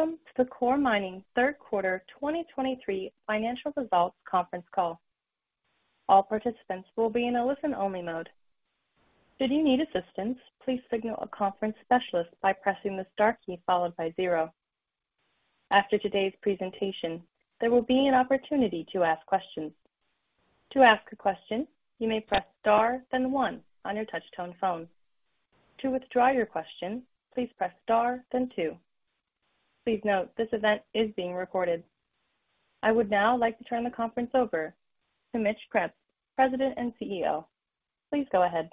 Welcome to the Coeur Mining third quarter 2023 financial results conference call. All participants will be in a listen-only mode. Should you need assistance, please signal a conference specialist by pressing the star key followed by zero. After today's presentation, there will be an opportunity to ask questions. To ask a question, you may press star, then one on your touchtone phone. To withdraw your question, please press star, then two. Please note, this event is being recorded. I would now like to turn the conference over to Mitch Krebs, President and CEO. Please go ahead.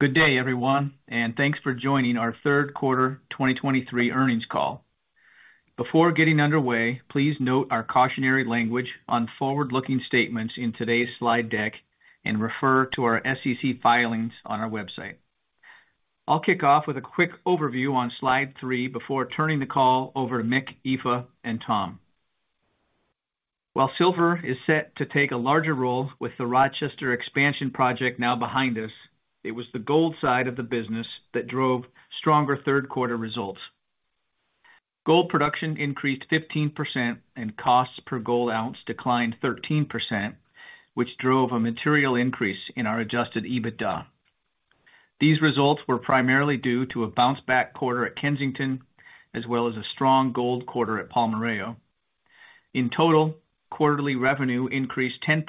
Good day, everyone, and thanks for joining our third quarter 2023 earnings call. Before getting underway, please note our cautionary language on forward-looking statements in today's slide deck and refer to our SEC filings on our website. I'll kick off with a quick overview on Slide 3 before turning the call over to Mick, Aoife, and Tom. While silver is set to take a larger role with the Rochester expansion project now behind us, it was the gold side of the business that drove stronger third quarter results. Gold production increased 15% and costs per gold ounce declined 13%, which drove a material increase in our Adjusted EBITDA. These results were primarily due to a bounce back quarter at Kensington, as well as a strong gold quarter at Palmarejo. In total, quarterly revenue increased 10%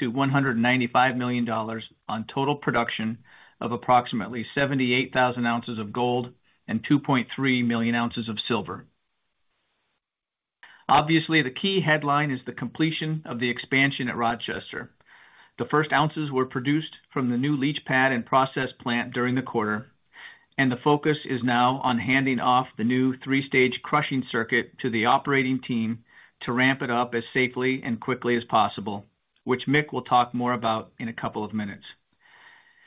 to $195 million on total production of approximately 78,000 ounces of gold and 2.3 million ounces of silver. Obviously, the key headline is the completion of the expansion at Rochester. The first ounces were produced from the new leach pad and process plant during the quarter, and the focus is now on handing off the new three-stage crushing circuit to the operating team to ramp it up as safely and quickly as possible, which Mick will talk more about in a couple of minutes.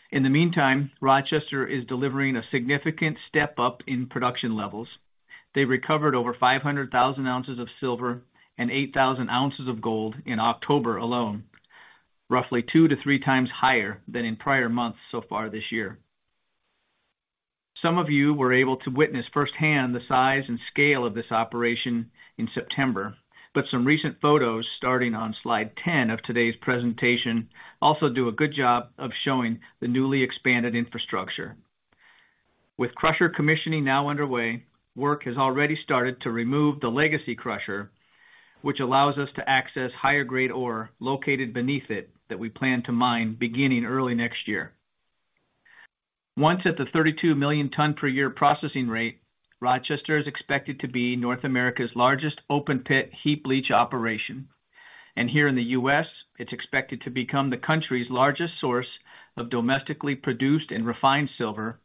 In the meantime, Rochester is delivering a significant step up in production levels. They recovered over 500,000 ounces of silver and 8,000 ounces of gold in October alone, roughly 2-3 times higher than in prior months so far this year. Some of you were able to witness firsthand the size and scale of this operation in September, but some recent photos starting on Slide 10 of today's presentation also do a good job of showing the newly expanded infrastructure. With crusher commissioning now underway, work has already started to remove the legacy crusher, which allows us to access higher grade ore located beneath it that we plan to mine beginning early next year. Once at the 32 million ton per year processing rate, Rochester is expected to be North America's largest open pit heap leach operation. Here in the U.S., it's expected to become the country's largest source of domestically produced and refined silver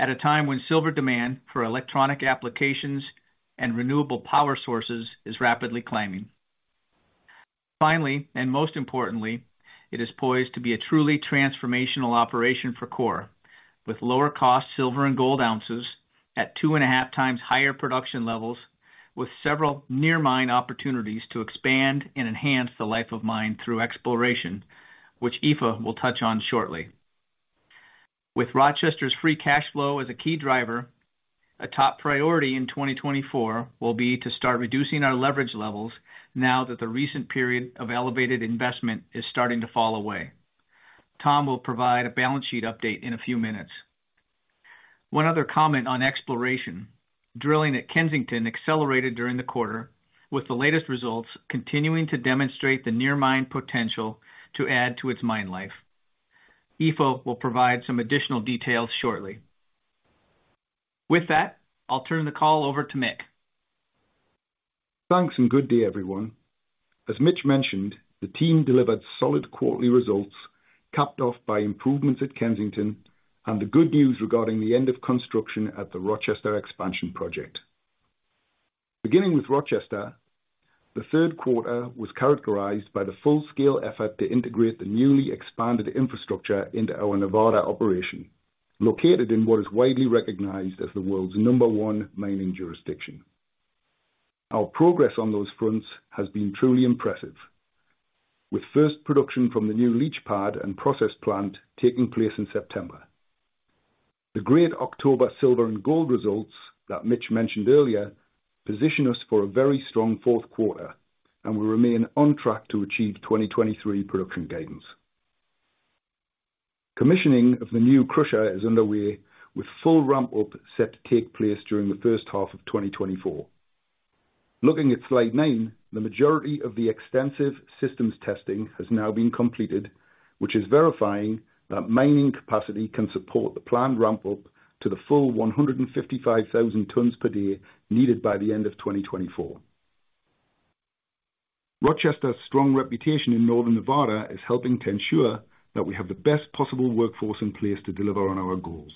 at a time when silver demand for electronic applications and renewable power sources is rapidly climbing. Finally, and most importantly, it is poised to be a truly transformational operation for Coeur, with lower cost silver and gold ounces at 2.5 times higher production levels, with several near mine opportunities to expand and enhance the life of mine through exploration, which Aoife will touch on shortly. With Rochester's free cash flow as a key driver, a top priority in 2024 will be to start reducing our leverage levels now that the recent period of elevated investment is starting to fall away. Tom will provide a balance sheet update in a few minutes. One other comment on exploration. Drilling at Kensington accelerated during the quarter, with the latest results continuing to demonstrate the near mine potential to add to its mine life. Aoife will provide some additional details shortly. With that, I'll turn the call over to Mick. Thanks, and good day, everyone. As Mitch mentioned, the team delivered solid quarterly results, capped off by improvements at Kensington and the good news regarding the end of construction at the Rochester expansion project. Beginning with Rochester, the third quarter was characterized by the full-scale effort to integrate the newly expanded infrastructure into our Nevada operation, located in what is widely recognized as the world's number one mining jurisdiction. Our progress on those fronts has been truly impressive, with first production from the new leach pad and process plant taking place in September. The great October silver and gold results that Mitch mentioned earlier position us for a very strong fourth quarter, and we remain on track to achieve 2023 production gains. Commissioning of the new crusher is underway, with full ramp-up set to take place during the first half of 2024. Looking at Slide 9, the majority of the extensive systems testing has now been completed, which is verifying that mining capacity can support the planned ramp-up to the full 155,000 tons per day needed by the end of 2024. Rochester's strong reputation in Northern Nevada is helping to ensure that we have the best possible workforce in place to deliver on our goals.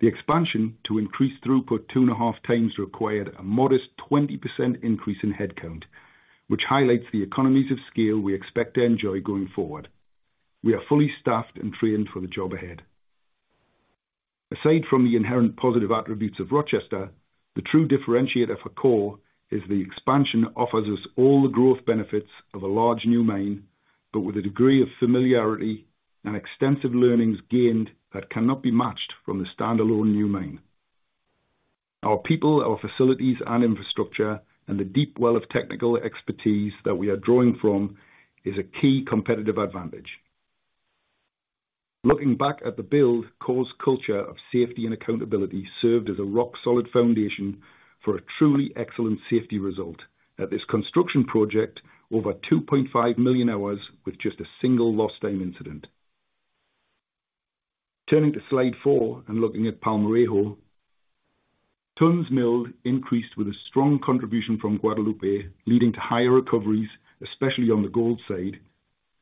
The expansion to increase throughput 2.5 times required a modest 20% increase in headcount, which highlights the economies of scale we expect to enjoy going forward. We are fully staffed and trained for the job ahead. Aside from the inherent positive attributes of Rochester, the true differentiator for Coeur is the expansion offers us all the growth benefits of a large new mine but with a degree of familiarity and extensive learnings gained that cannot be matched from the standalone new mine. Our people, our facilities, and infrastructure, and the deep well of technical expertise that we are drawing from, is a key competitive advantage. Looking back at the build, Coeur's culture of safety and accountability served as a rock-solid foundation for a truly excellent safety result at this construction project, over 2.5 million hours, with just a single lost time incident. Turning to Slide 4 and looking at Palmarejo. Tons milled increased with a strong contribution from Guadalupe, leading to higher recoveries, especially on the gold side,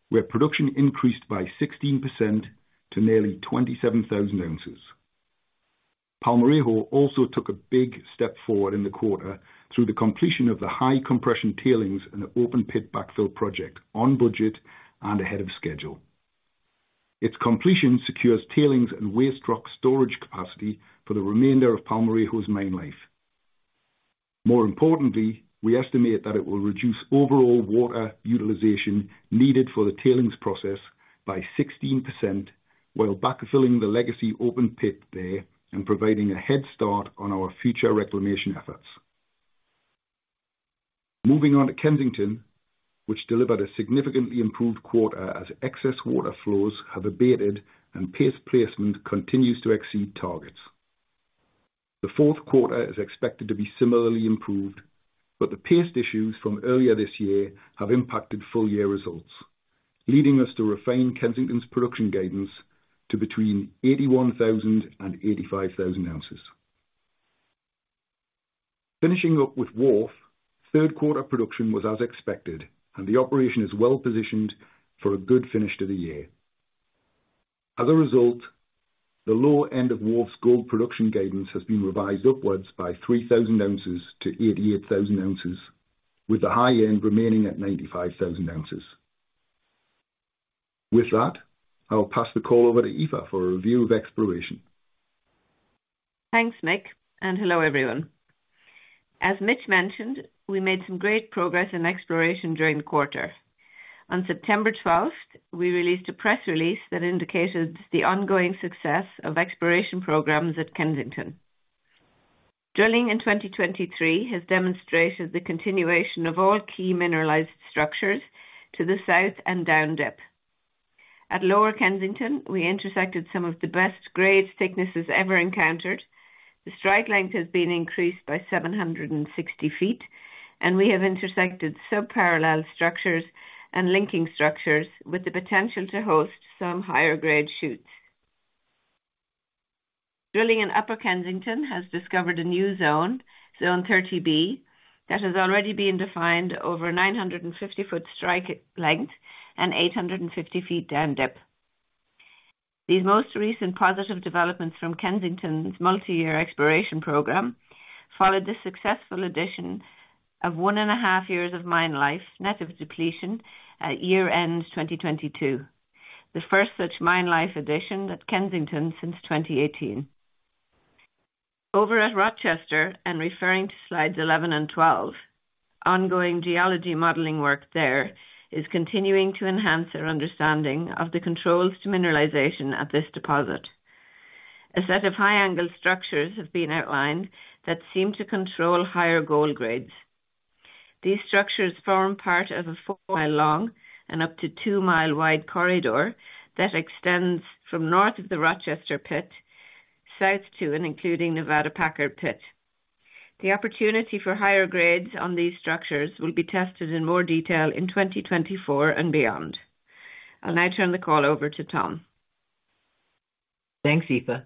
where production increased by 16% to nearly 27,000 ounces. Palmarejo also took a big step forward in the quarter through the completion of the high compression tailings and open pit backfill project, on budget and ahead of schedule. Its completion secures tailings and waste rock storage capacity for the remainder of Palmarejo's mine life. More importantly, we estimate that it will reduce overall water utilization needed for the tailings process by 16%, while backfilling the legacy open pit there and providing a head start on our future reclamation efforts. Moving on to Kensington, which delivered a significantly improved quarter as excess water flows have abated and paste placement continues to exceed targets. The fourth quarter is expected to be similarly improved, but the paste issues from earlier this year have impacted full year results, leading us to refine Kensington's production guidance to between 81,000 and 85,000 ounces. Finishing up with Wharf, third quarter production was as expected, and the operation is well positioned for a good finish to the year. As a result, the low end of Wharf's gold production guidance has been revised upwards by 3,000 ounces to 88,000 ounces, with the high end remaining at 95,000 ounces. With that, I'll pass the call over to Aoife for a review of exploration. Thanks, Mick, and hello, everyone. As Mitch mentioned, we made some great progress in exploration during the quarter. On September twelfth, we released a press release that indicated the ongoing success of exploration programs at Kensington. Drilling in 2023 has demonstrated the continuation of all key mineralized structures to the south and down dip. At Lower Kensington, we intersected some of the best grade thicknesses ever encountered. The strike length has been increased by 760 ft, and we have intersected sub-parallel structures and linking structures with the potential to host some higher-grade shoots. Drilling in Upper Kensington has discovered a new zone, Zone 30B, that has already been defined over 950-ft strike length and 850 ft down dip. These most recent positive developments from Kensington's multi-year exploration program followed the successful addition of 1.5 years of mine life, net of depletion, at year-end 2022, the first such mine life addition at Kensington since 2018. Over at Rochester, and referring to Slides 11 and 12, ongoing geology modeling work there is continuing to enhance our understanding of the controls to mineralization at this deposit. A set of high-angle structures have been outlined that seem to control higher gold grades. These structures form part of a 4-mi long and up to 2-mi wide corridor that extends from north of the Rochester pit, south to and including Nevada Packard pit. The opportunity for higher grades on these structures will be tested in more detail in 2024 and beyond. I'll now turn the call over to Tom. Thanks, Aoife.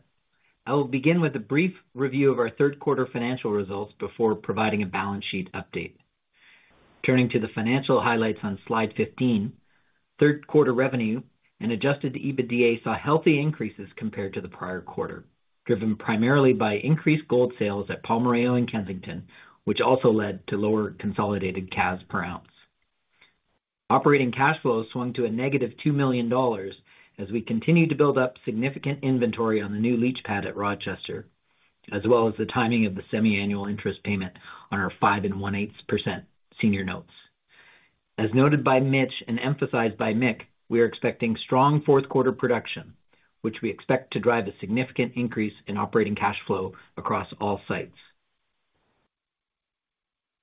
I will begin with a brief review of our third quarter financial results before providing a balance sheet update. Turning to the financial highlights on Slide 15, third quarter revenue and Adjusted EBITDA saw healthy increases compared to the prior quarter, driven primarily by increased gold sales at Palmarejo and Kensington, which also led to lower consolidated cash per ounce. Operating cash flow swung to a -$2 million as we continued to build up significant inventory on the new leach pad at Rochester, as well as the timing of the semiannual interest payment on our 5.125% senior notes. As noted by Mitch and emphasized by Mick, we are expecting strong fourth quarter production, which we expect to drive a significant increase in operating cash flow across all sites.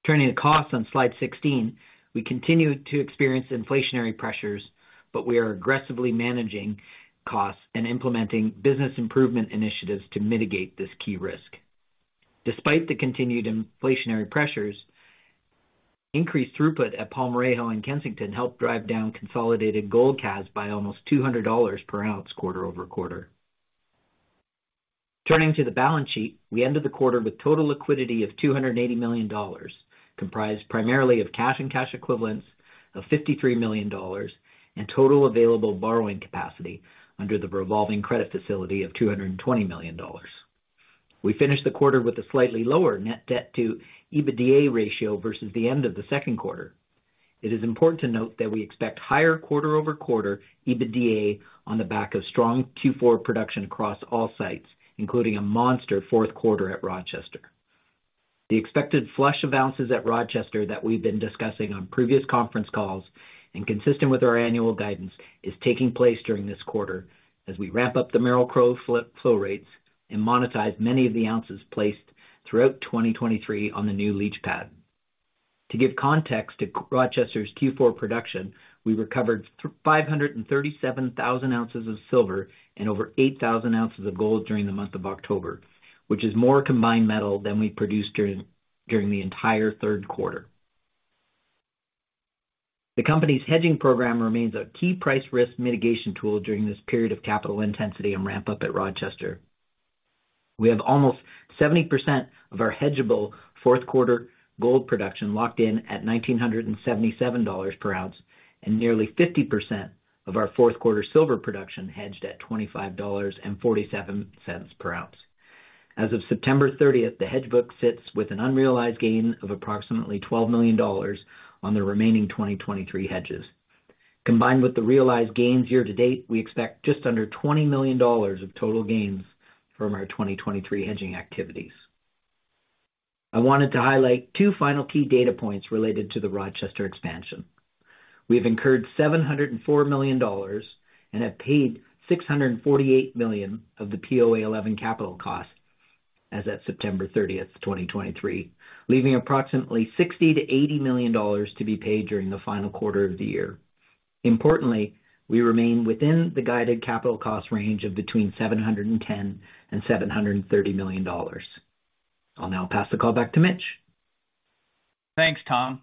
Turning to costs on Slide 16, we continue to experience inflationary pressures, but we are aggressively managing costs and implementing business improvement initiatives to mitigate this key risk. Despite the continued inflationary pressures, increased throughput at Palmarejo and Kensington helped drive down consolidated gold CAS by almost $200 per ounce, quarter-over-quarter. Turning to the balance sheet, we ended the quarter with total liquidity of $280 million, comprised primarily of cash and cash equivalents of $53 million, and total available borrowing capacity under the revolving credit facility of $220 million. We finished the quarter with a slightly lower net debt to EBITDA ratio versus the end of the second quarter. It is important to note that we expect higher quarter-over-quarter EBITDA on the back of strong Q4 production across all sites, including a monster fourth quarter at Rochester. The expected flush of ounces at Rochester that we've been discussing on previous conference calls, and consistent with our annual guidance, is taking place during this quarter as we ramp up the Merrill-Crowe flip flow rates and monetize many of the ounces placed throughout 2023 on the new leach pad. To give context to Rochester's Q4 production, we recovered 537,000 ounces of silver and over 8,000 ounces of gold during the month of October, which is more combined metal than we produced during the entire third quarter. The company's hedging program remains a key price risk mitigation tool during this period of capital intensity and ramp up at Rochester. We have almost 70% of our hedgeable fourth quarter gold production locked in at $1,977 per ounce, and nearly 50% of our fourth quarter silver production hedged at $25.47 per ounce. As of September 30th, the hedge book sits with an unrealized gain of approximately $12 million on the remaining 2023 hedges. Combined with the realized gains year-to-date, we expect just under $20 million of total gains from our 2023 hedging activities. I wanted to highlight two final key data points related to the Rochester expansion. We have incurred $704 million and have paid $648 million of the POA 11 capital costs as of September 30th, 2023, leaving approximately $60-$80 million to be paid during the final quarter of the year. Importantly, we remain within the guided capital cost range of between $710 million and $730 million. I'll now pass the call back to Mitch. Thanks, Tom.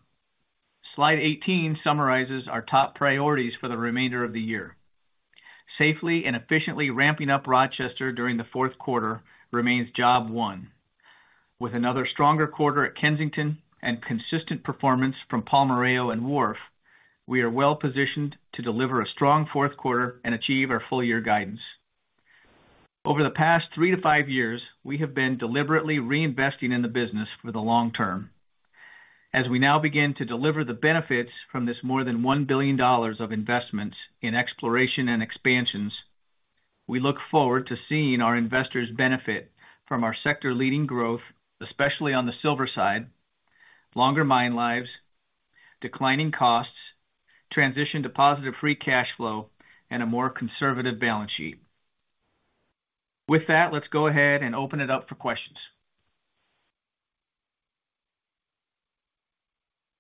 Slide 18 summarizes our top priorities for the remainder of the year. Safely and efficiently ramping up Rochester during the fourth quarter remains job one. With another stronger quarter at Kensington and consistent performance from Palmarejo and Wharf, we are well positioned to deliver a strong fourth quarter and achieve our full year guidance. Over the past three to five years, we have been deliberately reinvesting in the business for the long term. As we now begin to deliver the benefits from this more than $1 billion of investments in exploration and expansions, we look forward to seeing our investors benefit from our sector-leading growth, especially on the silver side, longer mine lives, declining costs, transition to positive free cash flow, and a more conservative balance sheet. With that, let's go ahead and open it up for questions.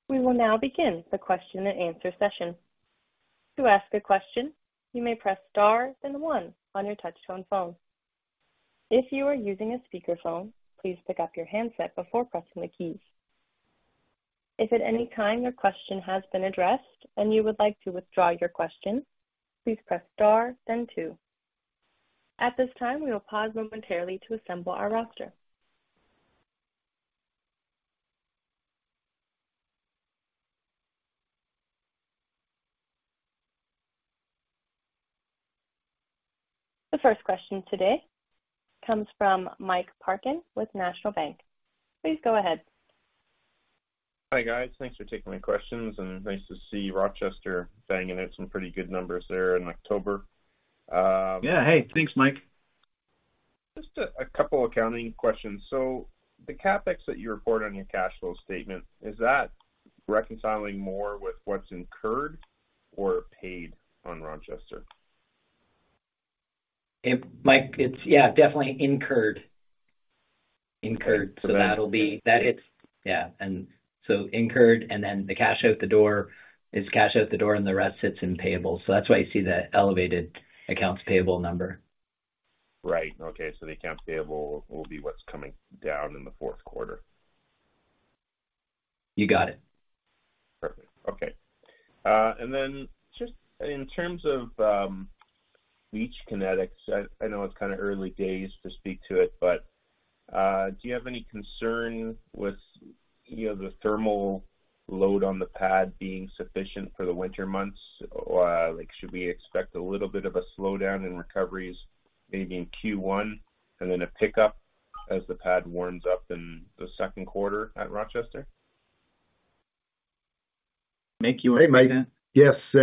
We will now begin the question and answer session. To ask a question, you may press star then one on your touchtone phone. If you are using a speakerphone, please pick up your handset before pressing the keys. If at any time your question has been addressed and you would like to withdraw your question, please press star then two. At this time, we will pause momentarily to assemble our roster. The first question today comes from Mike Parkin with National Bank. Please go ahead. Hi, guys. Thanks for taking my questions. Nice to see Rochester banging out some pretty good numbers there in October. Yeah. Hey, thanks, Mike. Just a couple of accounting questions. So the CapEx that you report on your cash flow statement, is that reconciling more with what's incurred or paid on Rochester? Mike, it's, yeah, definitely incurred. So that'll be incurred, and then the cash out the door is cash out the door, and the rest sits in payables. So that's why you see that elevated accounts payable number. Right. Okay. So the accounts payable will be what's coming down in the fourth quarter. You got it. Perfect. Okay, and then just in terms of leach kinetics, I know it's kind of early days to speak to it, but do you have any concern with, you know, the thermal load on the pad being sufficient for the winter months? Or, like, should we expect a little bit of a slowdown in recoveries, maybe in Q1, and then a pickup as the pad warms up in the second quarter at Rochester? Mick, you want to take that? Hey, Mike. Yes,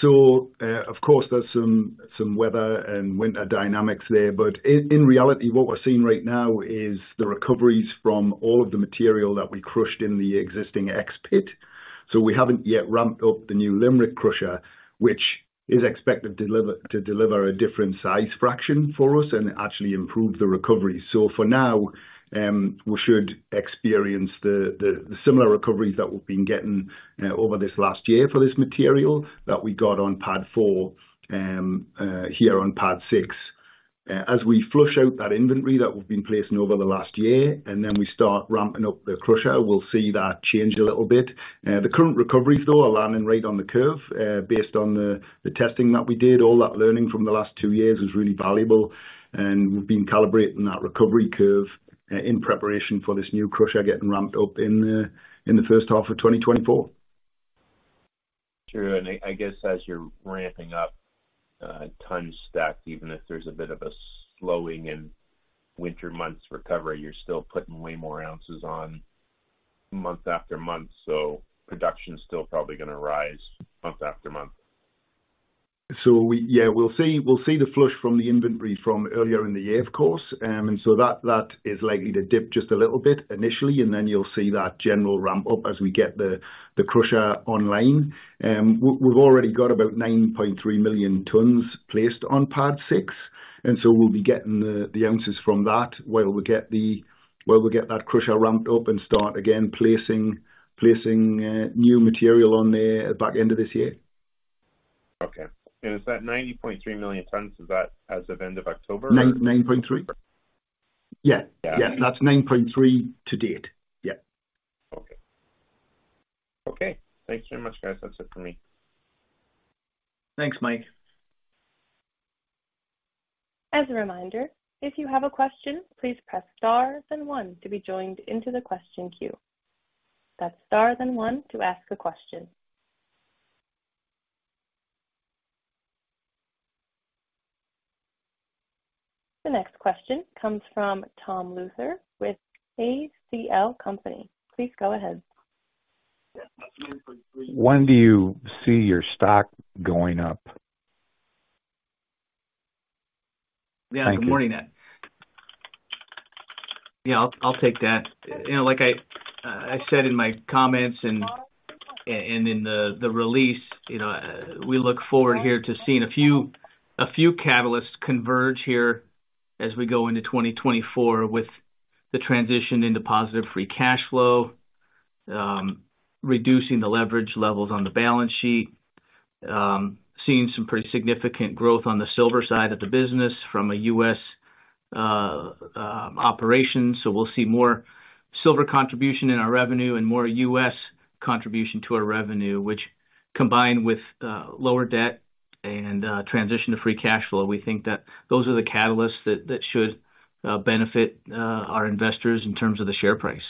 so, of course, there's some weather and winter dynamics there, but in reality, what we're seeing right now is the recoveries from all of the material that we crushed in the existing X-Pit. So we haven't yet ramped up the new Limerick crusher, which is expected to deliver a different size fraction for us and actually improve the recovery. So for now, we should experience the similar recoveries that we've been getting over this last year for this material that we got on Pad 4 here on Pad 6. As we flush out that inventory that we've been placing over the last year, and then we start ramping up the crusher, we'll see that change a little bit. The current recoveries, though, are landing right on the curve based on the testing that we did. All that learning from the last two years was really valuable, and we've been calibrating that recovery curve in preparation for this new crusher getting ramped up in the first half of 2024. Sure. And I guess as you're ramping up tons stacked, even if there's a bit of a slowing in winter months recovery, you're still putting way more ounces on month after month, so production is still probably going to rise month after month. So we, yeah, we'll see the flush from the inventory from earlier in the year, of course. And so that is likely to dip just a little bit initially, and then you'll see that general ramp up as we get the crusher online. We've already got about 9.3 million tons placed on Pad 6, and so we'll be getting the ounces from that while we get that crusher ramped up and start again placing new material on there at the back end of this year. Okay. Is that 90.3 million tons, is that as of end of October? 9.3. Yeah. Yeah. Yeah, that's 9.3 to date. Yeah. Okay. Okay. Thank you very much, guys. That's it for me. Thanks, Mike. As a reminder, if you have a question, please press star and one to be joined into the question queue. That's star then one to ask a question. The next question comes from Tom Luther with ACL Company. Please go ahead. When do you see your stock going up? Thank you. Yeah, good morning. Yeah, I'll, I'll take that. You know, like I, I said in my comments and, and, and in the, the release, you know, we look forward here to seeing a few, a few catalysts converge here as we go into 2024 with the transition into positive Free Cash Flow, reducing the leverage levels on the balance sheet, seeing some pretty significant growth on the silver side of the business from a U.S., operation. So we'll see more silver contribution in our revenue and more U.S. contribution to our revenue, which combined with, lower debt and, transition to Free Cash Flow, we think that those are the catalysts that, that should, benefit, our investors in terms of the share price.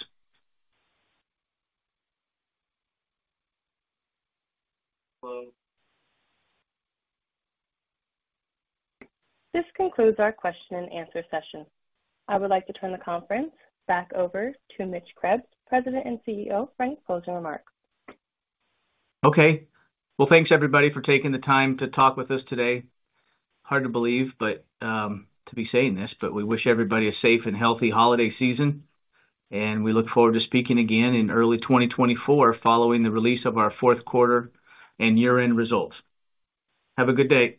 This concludes our question and answer session. I would like to turn the conference back over to Mitch Krebs, President and CEO, for any closing remarks. Okay. Well, thanks, everybody, for taking the time to talk with us today. Hard to believe, but, to be saying this, but we wish everybody a safe and healthy holiday season, and we look forward to speaking again in early 2024, following the release of our fourth quarter and year-end results. Have a good day.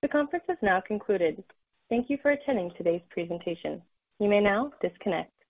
The conference has now concluded. Thank you for attending today's presentation. You may now disconnect.